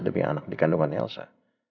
demi anak dikandungan elsa